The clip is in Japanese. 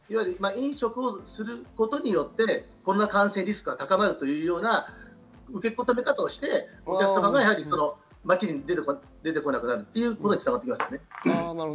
飲食をすることによって、コロナ感染リスクが高まるというような受け止められ方をして、お客様が街に出てこなくなるということに繋がっていましたよね。